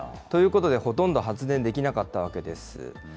ということで、ほとんど発電できなかったわけです。